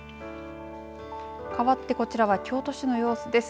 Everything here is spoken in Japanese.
かわってこちらは京都市の様子です。